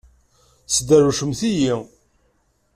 Tesderwcemt-iyi!